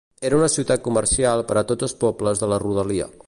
Era una ciutat comercial per a tots els pobles de la rodalia.